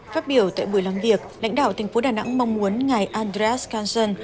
phát biểu tại buổi làm việc lãnh đạo thành phố đà nẵng mong muốn ngài andreas kasson